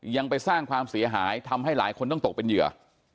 ยังไปสร้างความเสียหายทำให้หลายคนต้องตกเป็นเหยื่อ